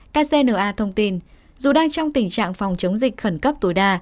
kcna thông tin dù đang trong tình trạng phòng chống dịch khẩn cấp tối đa